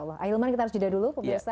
ahilman kita harus jeda dulu pemirsa